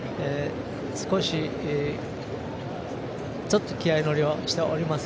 少しちょっと気合い乗りをしております。